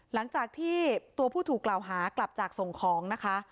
หลังจากที่ตัวผู้ถูกกล่าวหากลับจากส่งของนะคะ